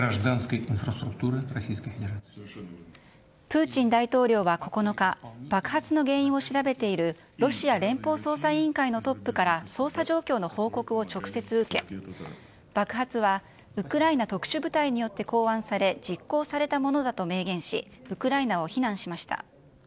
プーチン大統領は９日、爆発の原因を調べているロシア連邦捜査委員会のトップから捜査状況の報告を直接受け、爆発はウクライナ特殊部隊によって考案され、実行されたものだと明言し、ウクライナを非難しました。